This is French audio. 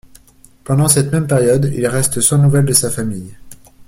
Pendant cette même période, il reste sans nouvelle de sa famille.